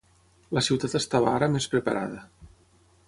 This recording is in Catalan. La ciutat estava ara més preparada.